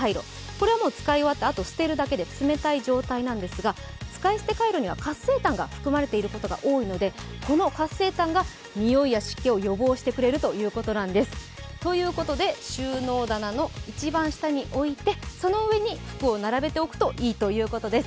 これは使い終わって捨てるだけで冷たい状態なんですが、使い捨てカイロには活性炭が含まれていることが多いので、この活性炭がにおいや湿気を予防してくれるということです。ということで収納棚の一番下に置いてその上に服を並べて置くといいということです。